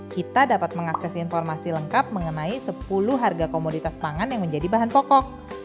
kita dapat mengakses informasi lengkap mengenai sepuluh harga komoditas pangan yang menjadi bahan pokok